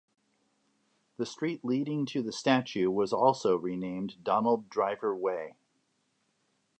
The street leading to the statue was also renamed Donald Driver Way.